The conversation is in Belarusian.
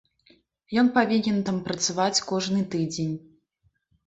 Ён павінен там працаваць кожны тыдзень.